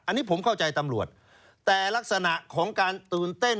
อันนี้ผมเข้าใจตำรวจแต่ลักษณะของการตื่นเต้น